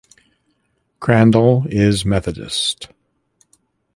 Crandall is Methodist.